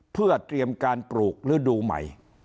เพื่อเตรียมการปลูกฤดูใหม่